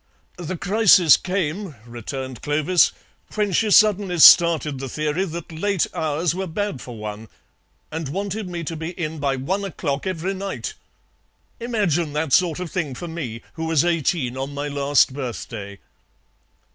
"The crisis came," returned Clovis, "when she suddenly started the theory that late hours were bad for one, and wanted me to be in by one o'clock every night. Imagine that sort of thing for me, who was eighteen on my last birthday."